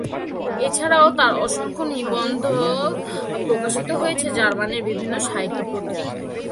এছাড়াও তার অসংখ্য নিবন্ধ প্রকাশিত হয়েছে জার্মানীর বিভিন্ন সাহিত্য পত্রিকায়।